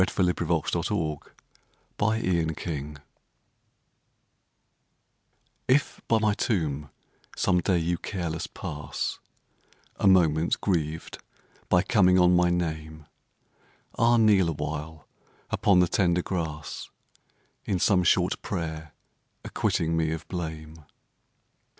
THE SAD YEARS IF YOU SHOULD PASS IF by my tomb some day you careless pass, A moment grieved by coming on my name, Ah ! kneel awhile upon the tender grass In some short prayer acquitting me of blame.